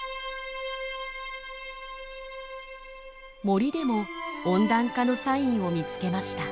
森でも温暖化のサインを見つけました。